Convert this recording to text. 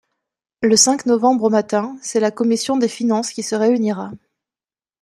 Le cinq novembre au matin, c’est la commission des finances qui se réunira.